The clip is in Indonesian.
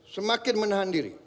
semakin menahan diri